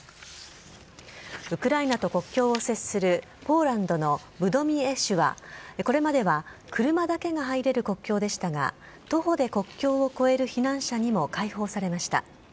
ウクライナと国境を接するポーランドのブドミエシュは、これまでは、車だけが入れる国境でしたが、徒歩で国境を越える避難者にも開放されました。